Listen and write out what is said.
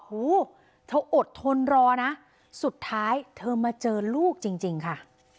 หูเธออดทนรอนะสุดท้ายเธอมาเจอลูกจริงค่ะ